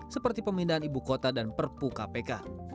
seperti pemindahan ibu kota dan perpu kpk